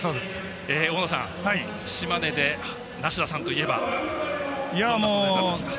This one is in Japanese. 大野さん、島根で梨田さんといえばどんな存在だったんですか？